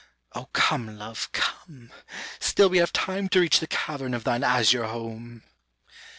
O come Love come, Still we have time to reach the cavern of thine azure home."